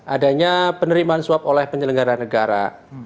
adanya penerimaan suap oleh penyelenggara negara